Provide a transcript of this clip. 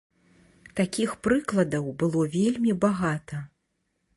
Такіх прыкладаў было вельмі багата.